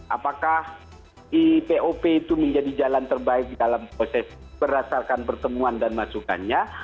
apakah ipop itu menjadi jalan terbaik dalam proses berdasarkan pertemuan dan masukannya